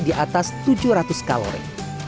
di atas tujuh ratus kalori